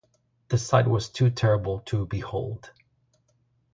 The sight was too terrible to behold.